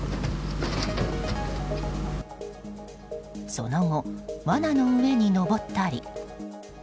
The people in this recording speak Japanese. その後、わなの上に上ったり。